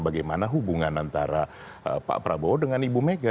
bagaimana hubungan antara pak prabowo dengan ibu mega